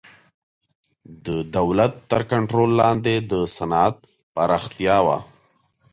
د دولت تر کنټرول لاندې د صنعت پراختیا وه